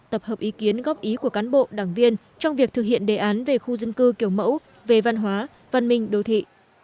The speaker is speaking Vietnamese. tập hợp ý kiến góp ý của cán bộ đảng viên trong việc thực hiện đề án về khu dân cư kiểu mẫu về văn hóa văn minh đô thị